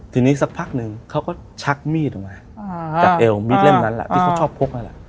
ทีนี้สักพักหนึ่งเขาก็ชักมีดออกมาจากเอวมีดเล่มนั้นแหละที่เขาชอบพกนั่นแหละ